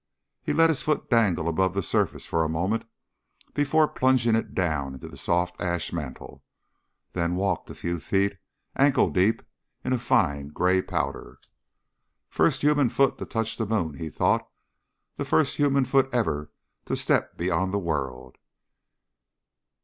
_ He let his foot dangle above the surface for a moment before plunging it down into the soft ash mantle, then walked a few feet, ankle deep in a fine gray powder. First human foot to touch the moon, he thought. The first human foot ever to step beyond the world.